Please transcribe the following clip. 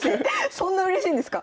そんなうれしいんですか？